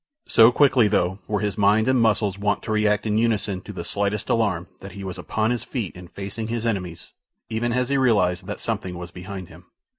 So quickly, though, were his mind and muscles wont to react in unison to the slightest alarm that he was upon his feet and facing his enemies, even as he realized that something was behind him.